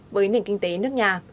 với nền kinh tế nước nhà